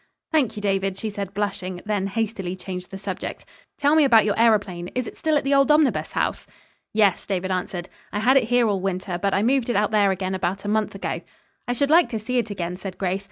"Thank you, David," she said, blushing, then hastily changed the subject. "Tell me about your aëroplane. Is it still at the old Omnibus House?" "Yes," David answered. "I had it here all winter, but I moved it out there again about a month ago." "I should like to see it again," said Grace.